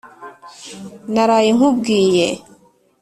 naraye nkubwiye